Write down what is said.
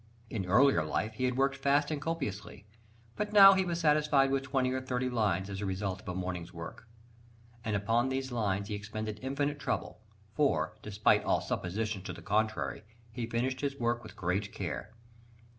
In earlier life he had worked fast and copiously, but now he was satisfied with twenty or thirty lines as the result of a morning's work. And upon these lines he expended infinite trouble; for, despite all suppositions to the contrary, he finished his work with great care.